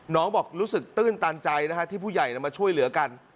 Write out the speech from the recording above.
บอกรู้สึกตื้นตันใจนะฮะที่ผู้ใหญ่มาช่วยเหลือกัน